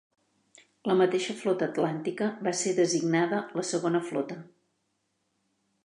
La mateixa Flota Atlàntica va ser designada la Segona Flota.